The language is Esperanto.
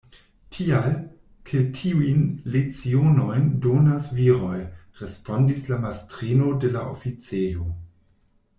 Tial, ke tiujn lecionojn donas viroj, respondis la mastrino de la oficejo.